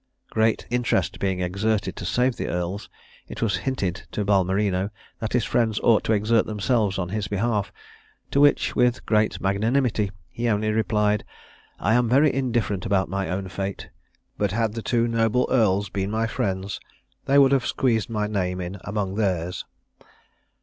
Great interest being exerted to save the earls, it was hinted to Balmerino that his friends ought to exert themselves in his behalf; to which, with great magnanimity, he only replied: "I am very indifferent about my own fate; but had the two noble earls been my friends, they would have squeezed my name in among theirs."